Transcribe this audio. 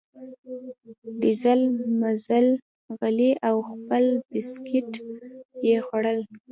ډېر مزل غلی او خپل بسکیټ یې خوړل.